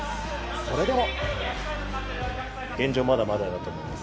それでも。